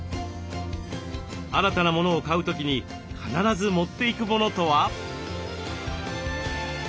新たな物を買う時に必ず持っていく物とは？